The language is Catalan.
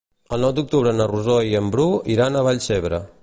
El nou d'octubre na Rosó i en Bru iran a Vallcebre.